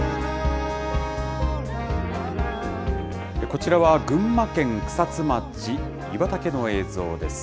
こちらは群馬県草津町、湯畑の映像です。